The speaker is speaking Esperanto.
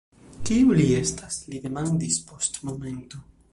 Kiu li estas? li demandis post momento.